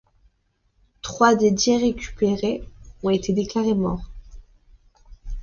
Trois des dix récupérés ont été déclarés morts.